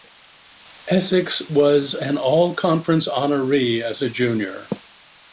Essex was an All-Conference honoree as a junior.